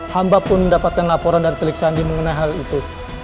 hamba pun mendapatkan laporan dari telik sandi mengenai hal itu